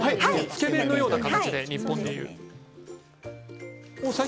つけ麺のような形で日本で言う。